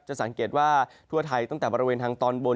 สังเกตว่าทั่วไทยตั้งแต่บริเวณทางตอนบน